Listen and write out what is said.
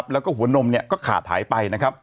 แล้วก็หัวนมก็ขาดหายไป